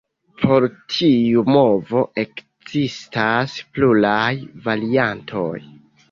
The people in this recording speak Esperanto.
Por tiu movo ekzistas pluraj variantoj.